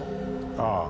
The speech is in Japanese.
ああ。